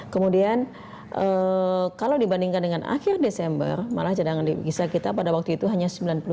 kemudian kalau dibandingkan dengan akhir desember malah cadangan devisa kita pada waktu itu hanya sembilan puluh sembilan